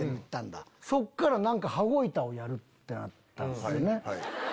そっから羽子板をやるってなったんすよね。